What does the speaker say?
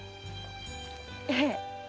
ええ。